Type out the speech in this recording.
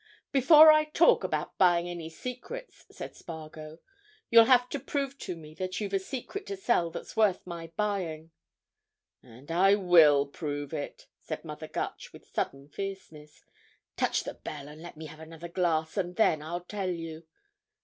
"Before I talk about buying any secret," said Spargo, "you'll have to prove to me that you've a secret to sell that's worth my buying." "And I will prove it!" said Mother Gutch with sudden fierceness. "Touch the bell, and let me have another glass, and then I'll tell you.